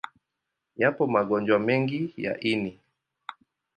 Yapo magonjwa mengi ya ini.